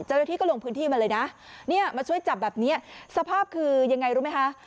เจ้าหน้าที่ก็ลงพื้นที่มาเลยนะเนี่ยมาช่วยจับแบบนี้สภาพคือยังไงรู้ไหมคะ